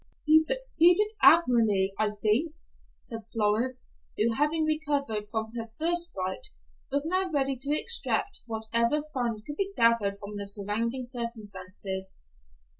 "He succeeded admirably, I think," said Florence, who, having recovered from her first fright, was now ready to extract whatever fun could be gathered from the surrounding circumstances.